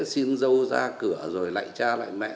xin dâu ra cửa rồi lại cha lại mẹ